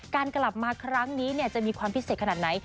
กลับมาครั้งนี้จะมีความพิเศษขนาดไหน